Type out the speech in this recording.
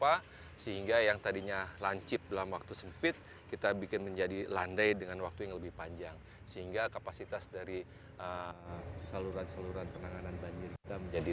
ya saya berharap di akhir tahun ini kita sudah ready